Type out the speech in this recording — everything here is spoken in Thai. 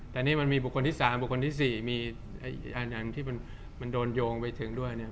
แต่นี่มันมีบุคคลที่สามบุคคลที่สี่มีอันที่มันโดนโยงไปถึงด้วย